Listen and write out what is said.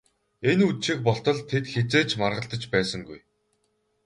Энэ үдшийг болтол тэд хэзээ ч маргалдаж байсангүй.